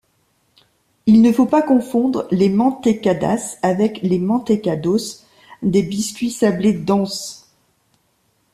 Il ne faut pas confondre les mantecadas avec les mantecados, des biscuits sablés denses.